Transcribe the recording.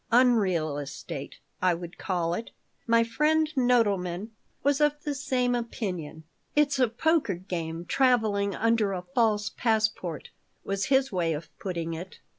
"Unreal estate," I would call it. My friend Nodelman was of the same opinion. "It's a poker game traveling under a false passport," was his way of putting it.